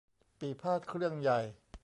ปี่พาทย์เครื่องใหญ่